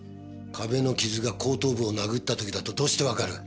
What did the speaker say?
壁の傷が後頭部を殴った時だとどうしてわかる？